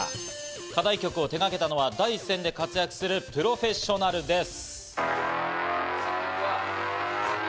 課題曲を手がけたのは第一線で活躍するプロフェッショナルです。